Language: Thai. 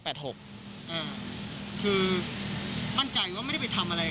คือมั่นใจว่าไม่ได้ไปทำอะไร